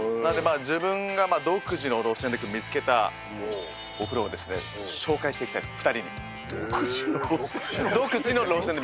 自分が独自の路線で見つけたお風呂をですね、紹介していきたいと、独自の路線で？